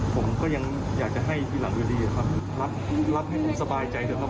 ผมก็ยังอยากจะให้ทีหลังอยู่ดีครับรับให้ผมสบายใจเถอะครับ